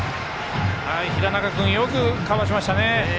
平中君よくカバーしました。